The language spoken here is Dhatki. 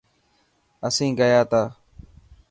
اسين گيا ٿا.